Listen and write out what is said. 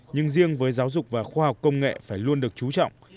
nhưng riêng với giáo dục và khoa học công nghệ phải luôn được chú trọng